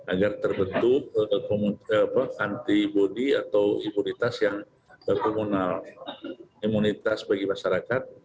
agar terbentuk antibody atau imunitas yang komunal imunitas bagi masyarakat